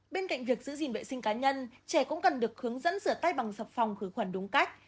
bên cạnh việc giữ gìn vệ sinh cá nhân trẻ cũng cần được hướng dẫn rửa tay bằng sập phòng khử khuẩn đúng cách